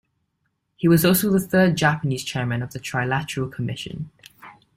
He was also the third Japanese chairman of the Trilateral Commission.